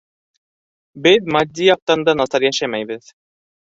Беҙ матди яҡтан да насар йәшәмәйбеҙ.